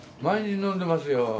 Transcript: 毎日飲んでますよ。